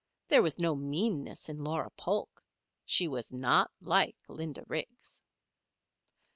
There was no meanness in Laura Polk. She was not like Linda Riggs.